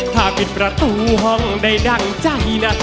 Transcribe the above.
ถ้าปิดประตูห้องได้ดั่งใจนะ